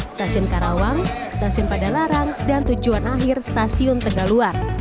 stasiun karawang stasiun padalarang dan tujuan akhir stasiun tegaluar